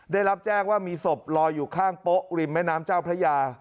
ได้รับแจ้งว่ามีศพลอยอยู่ข้างโป๊ะริมแม่น้ำเจ้าพระยา